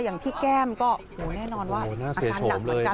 อย่างพี่แก้มก็แน่นอนว่าอาการหนักเหมือนกัน